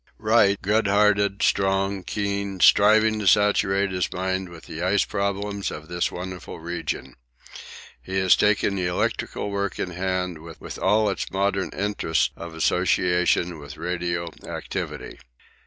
Wright, good hearted, strong, keen, striving to saturate his mind with the ice problems of this wonderful region. He has taken the electrical work in hand with all its modern interest of association with radio activity.